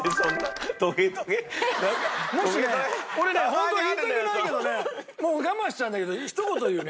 もしね俺ねホント言いたくないけどね我慢してたんだけどひと言言うね。